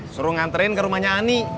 suruh nganterin ke rumahnya ani